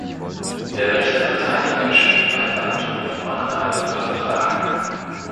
Der rechte Verteidiger steht bei Waldhof Mannheim unter Vertrag.